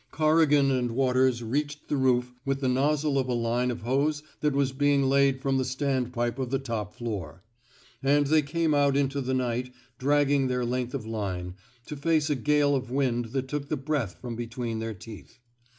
Corrigan and Waters reached the roof with the nozzle of a line of hose that was being laid from the standpipe of the top floor; and they came out into the night dragging their length of line, to face a gale of wind that took the breath from between their teeth.